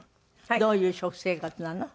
どういう食生活なの？